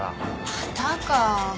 またか。